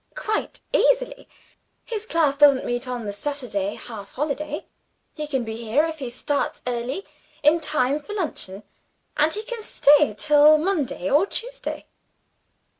"Quite easily! His class doesn't meet on the Saturday half holiday. He can be here, if he starts early, in time for luncheon; and he can stay till Monday or Tuesday."